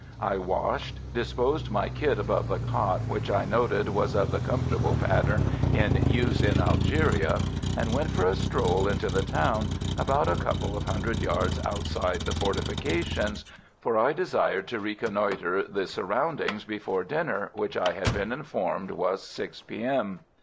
I washed, disposed my kit above the cot which I noted was of the comfortable pattern in use in Algeria, and went for a stroll into the town, about a couple of hundred yards outside the fortifications, for I desired to reconnoitre the surroundings before dinner, which I had been informed was at 6 P.M.